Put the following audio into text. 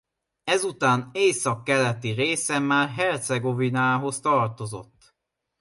Ezután északkeleti része már Hercegovinához tartozott.